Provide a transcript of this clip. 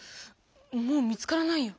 もう見つからないよ。